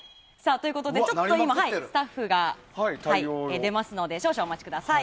今、スタッフが出ますので少々お待ちください。